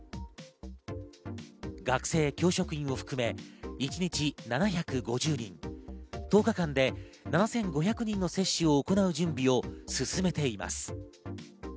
学生、教職員を含め一日７５０人、１０日間で７５００人の接種を行う準備を進めています。